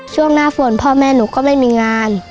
ช่วงหน้าฝนพ่อแม่หนูก็ไม่มีงาน